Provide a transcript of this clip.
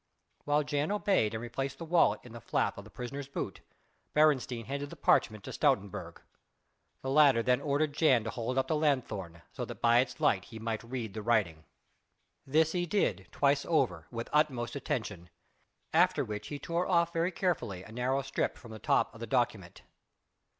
While Jan obeyed and replaced the wallet in the flap of the prisoner's boot, Beresteyn handed the parchment to Stoutenburg. The latter then ordered Jan to hold up the lanthorn so that by its light he might read the writing. This he did, twice over, with utmost attention; after which he tore off very carefully a narrow strip from the top of the document.